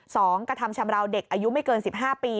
สองกระทำชำราวเด็กอายุไม่เกิน๑๕ปี